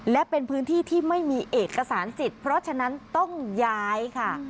และเป็นพื้นที่ที่ไม่มีเอกสารสิทธิ์เพราะฉะนั้นต้องย้ายค่ะ